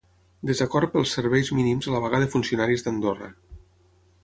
Desacord pels serveis mínims a la vaga de funcionaris d’Andorra.